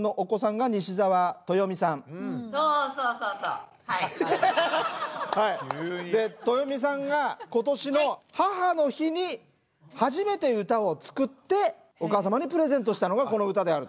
で西澤豊美さんが今年の母の日に初めて歌を作ってお母様にプレゼントしたのがこの歌であると。